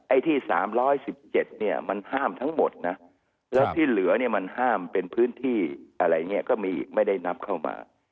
ไอ้ที่๓๑๗เนี่ยมันห้ามทั้งหมดนะแล้วที่เหลือเนี่ยมันห้ามเป็นพื้นที่อะไรอย่างนี้ก็มีอีกไม่ได้นับเข้ามา